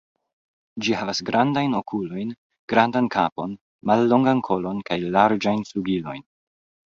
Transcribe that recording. Ĝi havas grandajn okulojn, grandan kapon, mallongan kolon kaj larĝajn flugilojn.